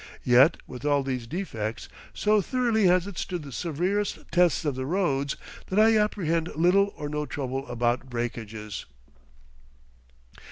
Yet, with all these defects, so thoroughly has it stood the severest tests of the roads, that I apprehend little or no trouble about breakages.